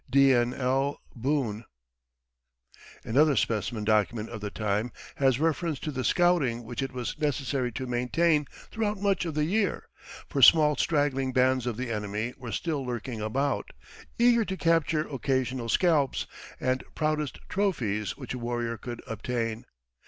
"DNL BOONE" Another specimen document of the time has reference to the scouting which it was necessary to maintain throughout much of the year; for small straggling bands of the enemy were still lurking about, eager to capture occasional scalps, the proudest trophies which a warrior could obtain.